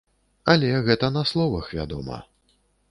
Але гэта на словах, вядома.